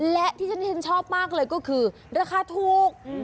และที่ฉันเห็นชอบมากเลยก็คือราคาถูก